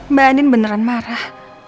mba adin beneran marah